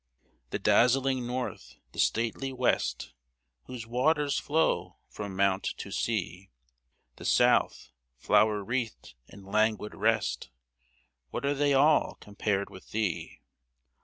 The dazzling North, the stately West, Whose waters flow from mount to sea ; The South, flower wreathed in languid rest — What are they all, compared with thee